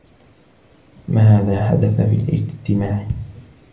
ماذا حدث في الاجتماع؟